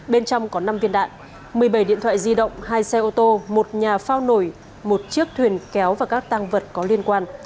bên trong có năm viên đạn một mươi bảy điện thoại di động hai xe ô tô một nhà phao nổi một chiếc thuyền kéo và các tăng vật có liên quan